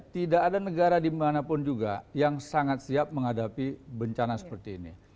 tidak ada negara dimanapun juga yang sangat siap menghadapi bencana seperti ini